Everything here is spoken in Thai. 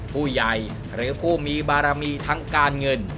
ผู้ใหญ่หรือผู้มีบารมีทั้งการเงิน